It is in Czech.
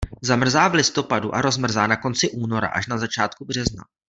Zamrzá v listopadu a rozmrzá na konci února až na začátku března.